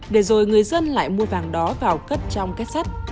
để rồi người dân lại mua vàng đó vào cất trong cái sắt